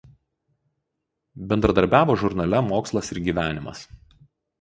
Bendradarbiavo žurnale „Mokslas ir gyvenimas“.